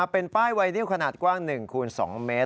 เป็นป้ายไวนิวขนาดกว้าง๑คูณ๒เมตร